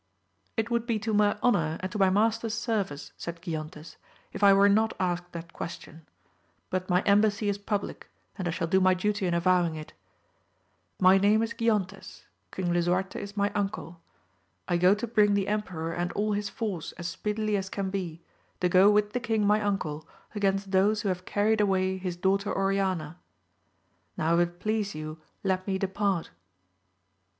It would be to my tonour, and to my master's service, said Giontes, if I were not asked that question 3 but my embassy is public, and I shall d^o my duty in avowing it : my name is Giontes, King Xisuarte is my uncle. I go to bring thQ em peror and all his force as speedily as can be, to go with the king my uncle against those who have carried away hia daughter Oriana ; now if it please you let me depart.